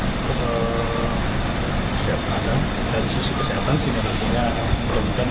dari sisi kesehatan sehingga nantinya